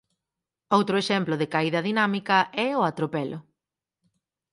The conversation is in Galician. Outro exemplo de caída dinámica é o atropelo.